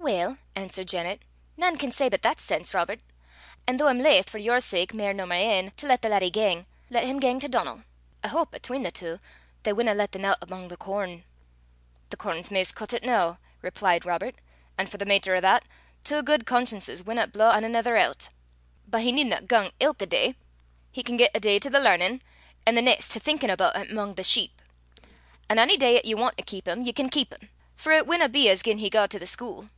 "Weel," answered Janet, "nane can say but that's sense, Robert; an' though I'm laith, for your sake mair nor my ain, to lat the laddie gang, lat him gang to Donal. I houp, atween the twa, they winna lat the nowt amo' the corn." "The corn's 'maist cuttit noo," replied Robert; "an' for the maitter o' that, twa guid consciences winna blaw ane anither oot. But he needna gang ilka day. He can gie ae day to the learnin', an' the neist to thinkin' aboot it amo' the sheep. An' ony day 'at ye want to keep him, ye can keep him; for it winna be as gien he gaed to the schuil."